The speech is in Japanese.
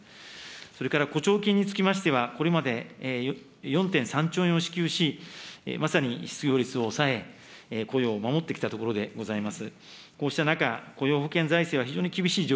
それから雇調金につきましては、これまで４．３兆円を支給しまさに失業率を抑え、雇用を守ってきたところでございます。